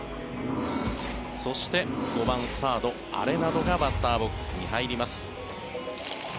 そして５番サード、アレナドがバッターボックスに入ります。